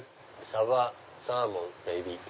サバサーモンエビ。